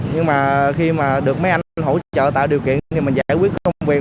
nhưng mà khi mà được mấy anh hỗ trợ tạo điều kiện để mình giải quyết công việc